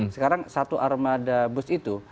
sekarang satu armada bus itu